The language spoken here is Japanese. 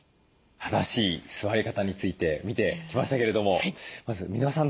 正しい座り方について見てきましたけれどもまず箕輪さん